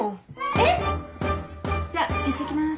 えっ⁉じゃあいってきます。